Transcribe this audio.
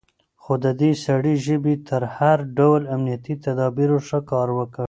خو د دې سړي ژبې تر هر ډول امنيتي تدابيرو ښه کار وکړ.